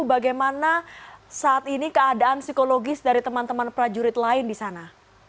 bagaimana saat ini keadaan psikologis dari teman teman prajurit lain di sana